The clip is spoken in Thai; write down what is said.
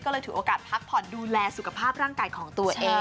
ก็เลยถือโอกาสพักผ่อนดูแลสุขภาพร่างกายของตัวเอง